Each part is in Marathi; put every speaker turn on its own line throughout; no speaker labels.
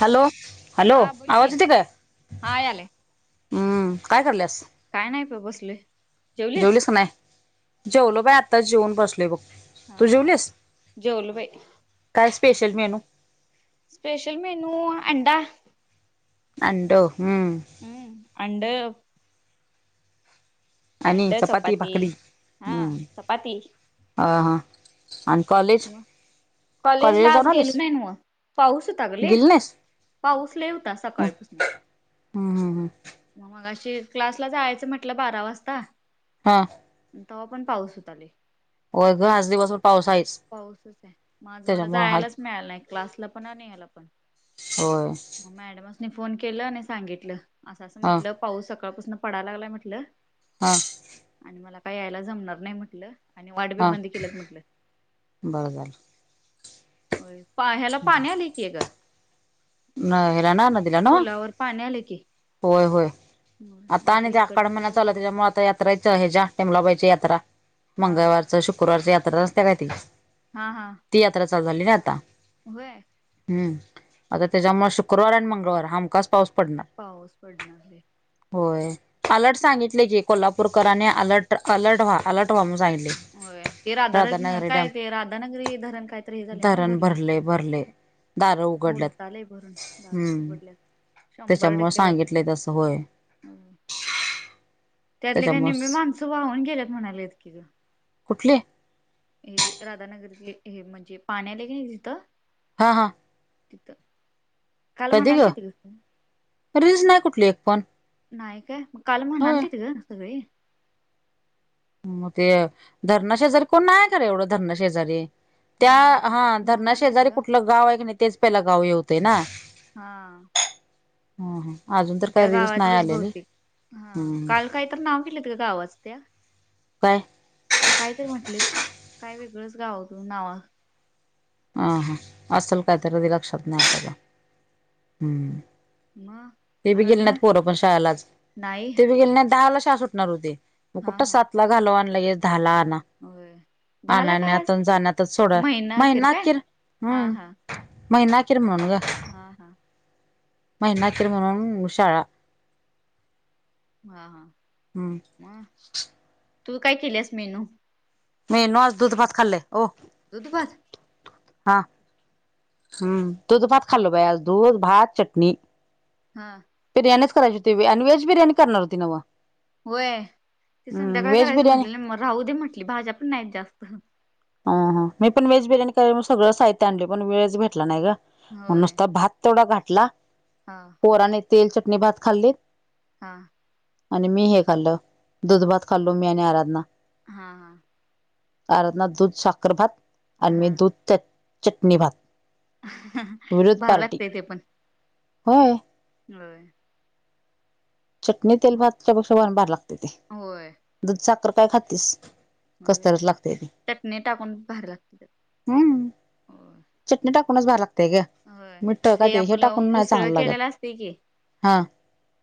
हॅलो. हॅलो.
हा बोल की
आवाज येतोय काय?
हा यालय
हम्म. काय करलयास?
काय नाही बघ, बसलोय.
जेवलीस काय नाय? जेवलो बाई. आत्ताच जेऊन बसलोय बघ.
हा
तू
हा.
जेवलीस?
जेवलो बाई
काय स्पेशल मेनू?
स्पेशल मेनू, अंडा.
अंडं, हम्म.
हम्म, अंड.
आणि चपाती, भाकरी.
हा
हम्म.
चपाती
ह, हा. आणि कॉलेज?
कॉलेज ला
जाऊन
आज गेलो
आलीस
नाही न मग. पाऊस होता गं लई.
गेली नाहीस
पाऊस लई होता सकाळीपासनं.
हम्, हम, हम.
मग मगाशी, क्लासला जायाचं म्हटलं बारा वाजता
हम्म.
तवा पण पाऊस हुता लई.
होय ग, आज दिवसभर पाऊस हायेच.
पाऊसच आहे मग आज मला जायालाच मिळालं नाही, क्लासला पण आणि हयाला पण.
होय.
मग मॅडमास्नी फोन केलं नी सांगितलं, असं-असं
हा
म्हटलं, पाऊस सकाळपासनं पडाय लागलाय म्हटलं.
हा.
आणि मला काय यायला जमणार नाही म्हटलं आणि वाट बी
हा
बंद केल्यात म्हटलं.
बरं झालं.
होय पा हला पाणी आलंय की ग?
न हेला ना? न दीला न?
पुलावर पाणी आले की
होय, होय
होय मग
आता आणि ते आखाड
इकडनं
महीना
तर
चालु हाय त्यामुळे आ यात्राचं हेच्या टेमलाबाईच्या यात्रा
हा
मंगळवारचं, शुक्रवारच्या यात्रा नसत्या काय ती?
हा हा.
ती यात्रा चालू झाली ना आता.
व्हय.
हम्म. आता त्याच्यामुळे शुक्रवार आणि मंगळवार हमखास पाऊस पडणार.
पाऊस पडणार व्हय.
होय. अलर्ट सांगितलय की, कोल्हापूरकरांनी अलर्ट अलर्ट व्हा अलर्ट व्हा म्हणून सांगितलय.
होय ते राधान काय ते राधानगरी धरण काय तरी हे झाले ना भरलंय?
भरलंय?
उलटालंय भरून दार
हम्म
उघडल्यात शंभर
त्याच्यामुळे
टक्के
सांगितले
भरलंय.
तसं होय
त्यातली काही निम्मी
त्याच्यामुळे
माणसं वाहून गेल्यात म्हणाल्यात की ग?
कुठली?
हे जे राधानगरतली हे म्हणजे पाणी आलंय की नाही तिथं?
हा हा.
तिथं. काल
कधी
म्हणाल
ग?
तिथ
रिअल्स नाही कुठली एक पण?
नाही काय? मग काल
होय
म्हणालतीत ग सगळे.
मग ते धरणा शेजारी कोण नाही आहे? खरं एवढं धरणा शेजारी. त्या हा
म्हणाल तिथ
धरणाशेजारी
ग
कुठलं गाव आहे क नी? तेच पहिला गाव हे होतंय ना.
हा.
हा हा अजून तर
मग
काय
त्या
रील्स नाही
गावातलीच
आलेली
बहुतेक, हा
हम्म
काल काही तर नाव दिलेत ग गावाचं त्या?
काय?
काय तरी म्हटले काय वेगळंच गाव तु नावं?
हा हा असेल काय तर? ते लक्षात नाही आपल्याला हम्म.
मग
ते बी गेली
आराधना
नाईत पोरं पण शाळेला आज,
नाही
ते बी गेले नाहीत दहाला शाळा सुटणार होती. मग
हा
कुठं
हा
सातला घालवा आणि लगेच दहाला आणा.
होय झाला का
आणनण्यात
आज
जाण्यातचं सोडा
अखेर
महिना
काय
अखिर.
हा
हम्म,
हा
महिना अखिर म्हणून ग.
हा हा.
महिना अखिर म्हणून उ शाळा
हा हा,
हम्म
मग तु काय केल्यास मेनू?
मेनू आज दुधभात खाल्ले. ओ.
दूध भात?
हा. हम्म दुधभात खाल्लो बाई आज, दूध, भात, चटणी.
हा.
बिर्याणीचं करायची होती आणि वेज बिर्याणी करणार होती नव्हं.
होय, ते संध्याकाळी
व्हेज
करायचं
बिर्याणी
म्हटले, मग राहू दे म्हटली भाज्या पण नाहीत जास्त.
मी पण वेज बिर्याणी करायची म्हणून सगळं साहित्य आणले पण वेळच भेटला नाही ग म्हणून
होय
नुसता भात तेवढा घातला
हा
पोरांनी तेल चटणी भात खाल्लीत
हा
आणि, मी हे खाल्ल दुध भात खाल्लो मी आणि आराधना
हा हा
आराधना दूध साखर भात, आणि मी,
हा
दूध चटणी भात
हा, भारी लागतय ते पण
हो
होय
चटणी तेल
मग
भातच्यापेक्षा भारी लागतय ते
होय
दूध साखर काय खातीस कसतरच लागतय ते
चटणी टाकून भारी लागतय त्यात
हम्म,
होय
चटणी टाकूनच भारी लागतय ते काय
होय
मिठ काय ते ह्याच्यात टाकून
आपलं
नाही
उसळ
चांगलं लागत
केलेला असते की
हा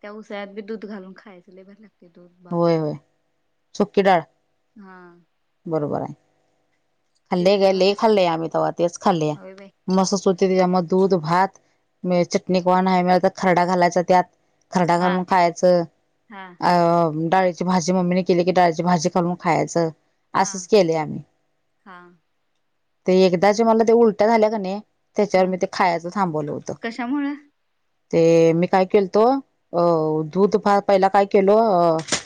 त्या उसाळ्यात बी दूध घालून खायचं लय भारी लागते दूध भात
होय होय सुकी डाळ,
हा
बरोबर आहे
ते
खाल्ले
बी
ग
लय भारी
लई
लागते
खाल्लय आम्ही तेव्हा तेच खाल्लय
होय बाई
म्हसच होती त्यामुळं दूध भात म चटणी नाही मिळाली तर खरडा घालायचा त्यात खरडा
हा
घालून खायचं
हा
अ डाळी भाजी मम्मीने केली की डाळीची भाजी खालून खायचं, असंच केलय आम्ही
हां
ते एकदा जे मला ते उलट्या झाल्या की नाही त्याच्यावर
हा
मी ते खायच थांबवलं होतं
कशामुळं
ते, मी काय केलतो अ, दूध पहिला काय केलो,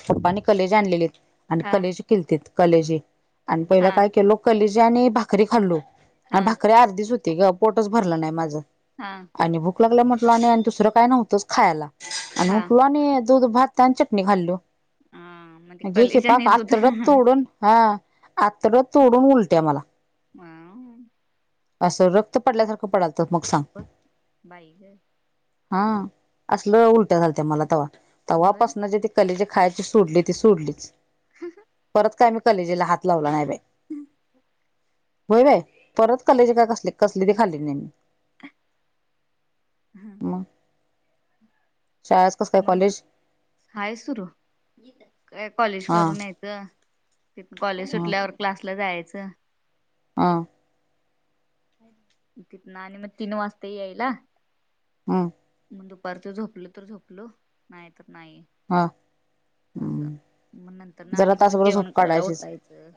पप्पानी कलेजा आणलेलीत आणि
हा
कलेजी केलतीत कलेजी आणि पहिला
हा
काय केलो कलेजी आणि भाकरी खाल्लो
हा
आणि भाकरी अर्धीच होती ग पोटच भरलं नाही माझं
हा
आणि भूक लागल्या म्हटल आणि, आणि दुसरं काय नव्हतंच खायला, आणि
हा
उठलो आणि दूध भात चटणी खाल्लो
अ मग ते
आणि जे
कलेजा आणि
चिपक
दूध
आतड तोडून हा, आतडं तोडून उलट्या मला
हा
असं रक्त पडल्यासारखं पडालतं मग सांग
बग, बाई गं
हा, असलं उलट्या झालत्या मला, तवा, तवा
होय
पासून जे ते कलेजे खायची सोडली ते सोडलीच परत काय मी कलेजेला हात लावला नाही बाई
हम्
होय बाय परत कलेज काय कसले कसली बी खाल्ली नाही मी
हम्-
मग शाळत
मग, हाय सुरू, काय कॉलेज
हा
करून यायचं कॉलेज
हा
सुटल्यावर क्लासला जायचं
हा
तिथन आणि मग तीन वाजतय यायला.
हम्.
मग दुपारचं झोपलो तर झोपलं नाही तर नाही.
हा.
असं
हम्म
मग नंतर
जरा
आणि मग
तासभर
जेवण
झोप
करायला
काढायचीच
उठायचं.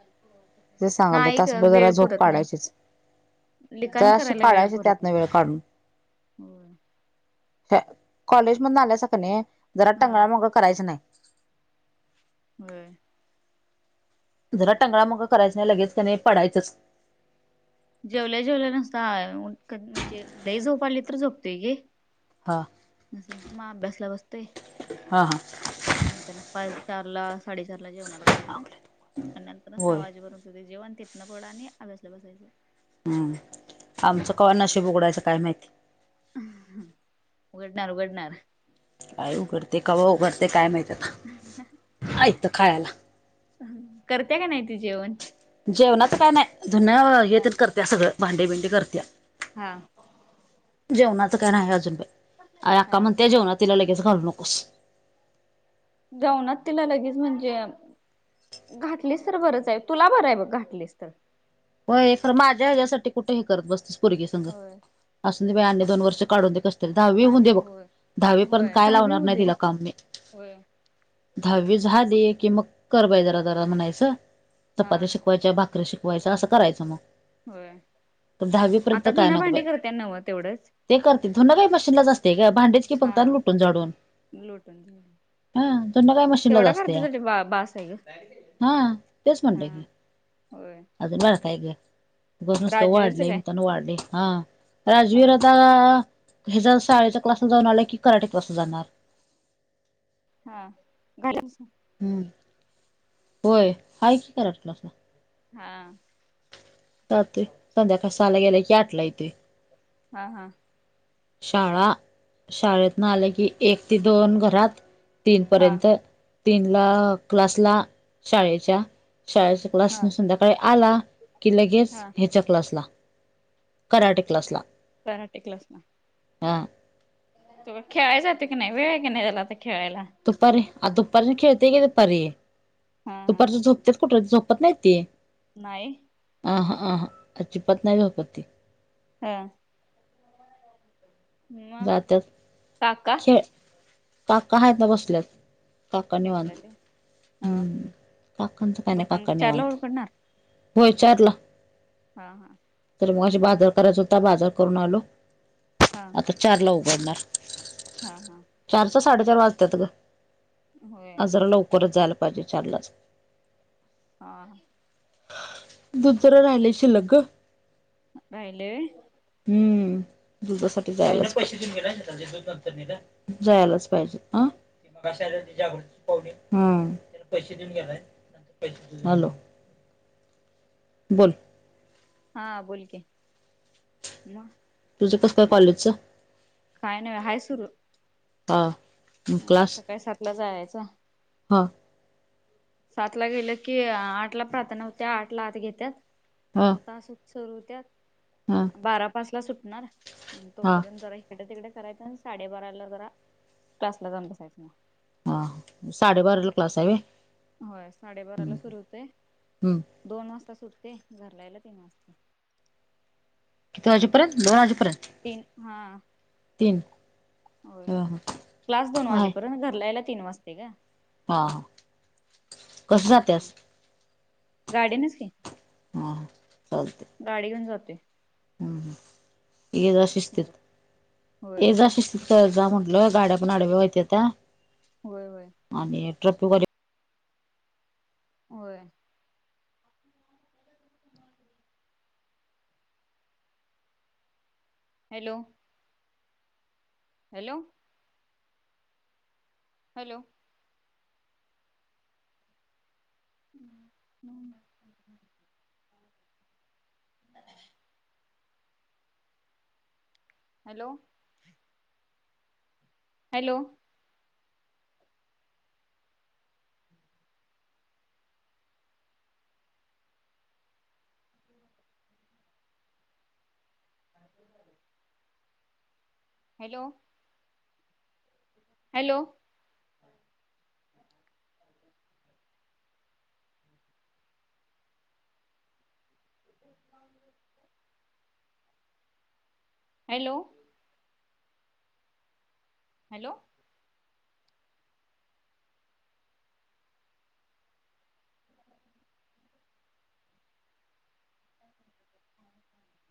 ते सांगालोय
नाही
तास
ग
बर जरा
वेळ
झोप
पुरत नाही
काढायचीच.
लिखाण
जराशी
करायला वेळ
काढायची
पुरत
त्यातन
नाही
वेळ काढून.
होय
कॉलेज मधन आलास कणी जरा
हा
टंगळामंगळ करायचं नाही.
होय.
जरा टंगळमंगळ करायचं नाही लगेच कणी पडायचंच.
जेवल्या जेवल्या नसता म्हणजे लई झोप आली तर झोपतोय घे.
हा
नसेल तर मग अभ्यासला बसतोय,
हा
नंतर न पाय चार ला साडेचारला जेवणाला घालायचं
हा
आणि नंतरच सहावा
होय
वाजे बरून. जेवण तितन पोड आणि अभ्यासला बसायचं.
हम्म. आमचं कवा नशीब उघडायचं काय माहिती.
उघडणार उघडणार.
काय उघडतय कावा उघडते काय माहित आत्ता.
[inaudible]
आयत खायला.
करत्या का नाही ती जेवण.
जेवणाच काय नाही धुन हे
हा
तर करतेया सगळं भांडे बिंडी करतिया.
हा.
जेवणाच काय नाय अजून बाया आयअक्का
हा.
म्हणतेय जेवणा तिला लगेच घालू नकोस.
जेवणात तिला लगेच म्हणजे घाटलीस तर बरंच आहे तुला बरं आहे बघ घाटलीस तर.
होय खरं माझ्या हेज्यासाठी कुठे हे करत बसतेस पोरगी संग.
होय
असुदे बाई आणि दो वर्ष काढूदे कसं ते तर दहावी होऊन
आणि
दे बघ
होय
दहावी पर्यंत
होय.
काय
दहावी
लावणार
होऊ
नाही
दे.
तिला काम मी.
होय
दहावी झाली की मग कर बाय जरा जरा म्हणायचं.
हा
चपात्या शिकवायच्या भाकरी शिकवायच्या असं करायचं मग.
होय
तर
आता
दहावीपर्यंत काय
धुण
नको
भांडी
बाई
करतेय नव तेवढंच.
ते करते धुण काही मशीनलाच असतेय ग भांडेच की फक्तं आणि लुटून झाडून.
लोटन झाडून.
हा धुनं काय मशीनलाच
तेवढा
असते
घरच्यांसाठी बा- बास हाय ग
हा तेच म्हणलं
हम!
की
होय.
अजून बरका हाय ग. उगाच नुसतं
राजवीरचं
वाढले
काय?
मताना वाढले हा
हा
राजवीर आता हे जर शाळेचा क्लास जाऊ आलं की कराठीत क्लास जाणार.
हा घालिम्सा
हम्म होय हाय कि कराटी क्लास ला.
हा.
जातूय संध्याकाळी सहाला गेल्या की आठला येतू य.
हा हा.
शाळा शाळेत न आला की एक ते दोन घरात.
हा
तीनपर्यंत तीनला क्लासला शाळेच्या शाळेसु क्लासन
हा
संध्याकाळी आला की लगेच
हा
ह्याच्या क्लासला कराटे क्लासला
कराटे क्लासला
हा
तु खेळाया जाते का नाही वेळ आहे की नाही तुला आता खेळायला
दुपारी आता दुपारी खेळतेय की दुपारी
हा हा
दुपारच झोपतेत कुठ झोपत नाहीत ते
नाई
अहं अहं अजिबात नाय झोपत ती
हां
जात्यात खेळ काका हायत ना बसल्यात काका
बसले
निवांत
ते हा
हम्म काकाचं काय नाय
दुकान
काका
चारला
निवांत
उडकडणार
होय, चारला
हा हां
तर मगाशी बाजार करायचा होता, बाजार करून आलो.
हा
तर चारला उघडणार.
हा हा
चारच्या साडेचार वाजतात ग
होय
आज जरा लवकरच जायला पाहिजे चारलाच
हा
दुध जरा राहिलय शिल्लक ग
राहिले
हम्म, दुधासाठी जायलाच पाहिजे. जायलाच पाहिजे. हम्म, हॅलो बोल
हा बोल की म
तुझं कसं काय कॉलेजचं
काय नाही बाय हाय सुरू
आ
सकाळी सातला जायाचं.
आ
सातला गेलं की आठला प्रार्थना होत्या आठला आत घेत्यात
हा
तास हो- सुरू होत्या,
हा
बारा पाचला सुटणार
हा
तोपर्यंत जरा इकडे तिकडे करायचं अन् साडेबाराला जरा क्लास ला जाऊन बसायचं म
हा साडे बाराला क्लास हाय‌ व्हय.
होय, साडेबाराला सुरू होतोय
हम्म
दोन वाजता सुटते घरला यायला तीन वाजते‌.
किती वाजेपर्यंत दोन वाजेपर्यंत
तीन हा
तीन
होय,
हा
क्लास दोन
हा आहे
वाजेपर्यंत घरला यायला तीन वाजते ग
हा कस जात्यास.
गाडीनच ये.
हा चालते.
गाडी घेऊन जाते.
हम्म हम्म ये जा शिस्तीत
होय
इथं जा म्हटलं गाड्या पण आडव्या व्हत्या त्या
होय होय.
आणि ट्रप वगैरे,
होय, hello, hello, hello, [unintelligible] [inaudible] hello, hello, hello, hello, [unintelligible] hello, hello,